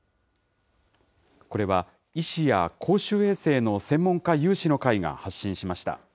これは、医師や公衆衛生の専門家有志の会が発信しました。